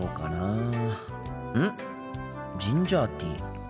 ジンジャーティー。